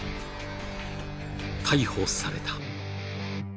［逮捕された］